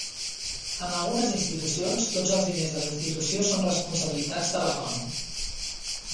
En algunes institucions, tots els diners de la institució són responsabilitat de l"ecònom.